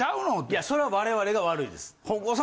いやそれは我々が悪いです。